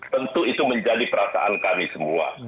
tentu itu menjadi perasaan kami semua